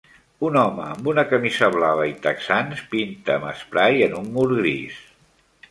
Un home amb una camisa blava i texans pinta amb esprai en un mur gris.